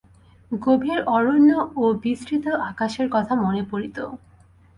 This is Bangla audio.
গভীর অরণ্য এবং বিস্তৃত আকাশের কথা মনে পড়িত।